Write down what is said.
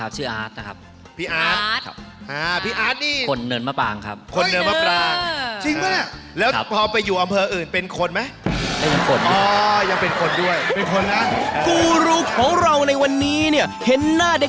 ชอบท่องเที่ยว